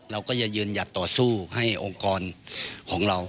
เราก็จะยืนหยัดต่อสู้ให้องค์กรของเรา